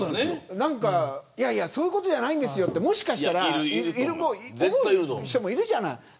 そういうことじゃないんですよってもしかしたら思う人もいるじゃない。